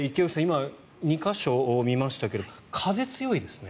今、２か所見ましたけど風、強いですね。